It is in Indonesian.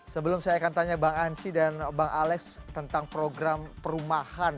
sebelum saya akan tanya bang ansy dan bang alex tentang program perumahan